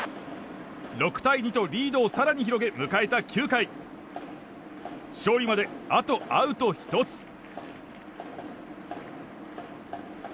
６対２とリードを更に広げ迎えた９回勝利まで、あとアウト１つ。